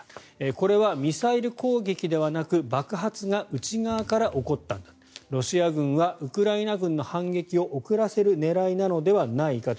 これはミサイル攻撃ではなく爆発が内側から起こったんだロシア軍はウクライナ軍の反撃を遅らせる狙いなのではないかと。